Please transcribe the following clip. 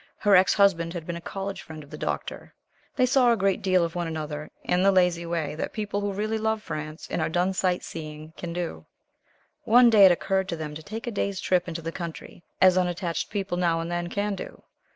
Her ex husband had been a college friend of the Doctor. They saw a great deal of one another in the lazy way that people who really love France, and are done sightseeing, can do. One day it occurred to them to take a day's trip into the country, as unattached people now and then can do.